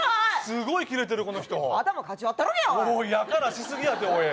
すごいキレてるこの人頭カチ割ったろけおいっやからしすぎやておい